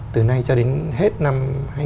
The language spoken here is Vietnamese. từ nay cho đến hết năm